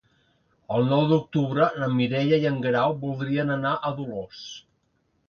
El nou d'octubre na Mireia i en Guerau voldrien anar a Dolors.